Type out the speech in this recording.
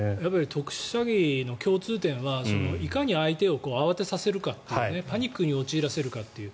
特殊詐欺の共通点はいかに相手を慌てさせるかっていうパニックに陥らせるかという。